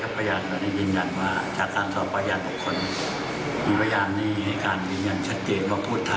ภาษาภาคไทยชัดเจน